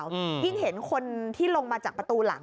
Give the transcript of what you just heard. ยิ่งเห็นคนที่ลงมาจากประตูหลัง